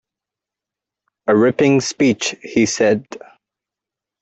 “A ripping speech,” he said.